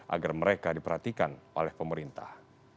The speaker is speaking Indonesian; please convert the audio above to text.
agar mereka diperhatikan oleh pemerintah